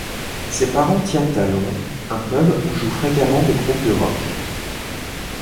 Ses parents tiennent à Londres un pub où jouent fréquemment des groupes de rock.